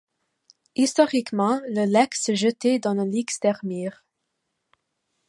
Historiquement, le Lek se jetait dans le Leekstermeer.